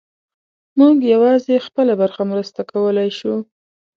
موږ یوازې خپله برخه مرسته کولی شو.